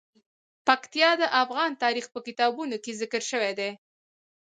پکتیا د افغان تاریخ په کتابونو کې ذکر شوی دي.